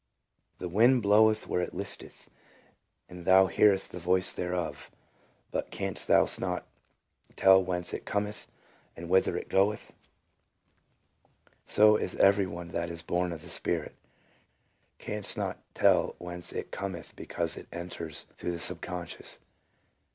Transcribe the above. " The wind bloweth where it listeth, and thou hearest the voice thereof, but canst not tell whence it cometh, and whither it goeth : so is every one that is born of the Spirit" 1 — canst not tell whence it cometh because it enters through the subconscious.